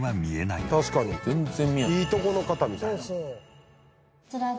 いいとこの方みたい。